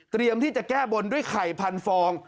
เตรียมที่จะแก้บนด้วยไข่พันฟอง